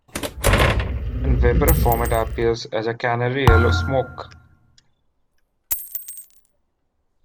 In vaporous form it appears as a canary yellow smoke.